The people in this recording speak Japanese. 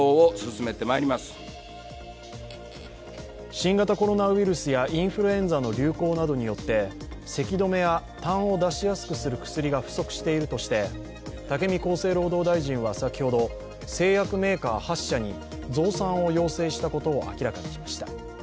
新型コロナやインフルエンザの流行などによってせき止めや、たんを出しやすくする薬が不足しているとして武見厚生労働大臣は先ほど、製薬メーカー８社に増産を要請したことを明らかにしました。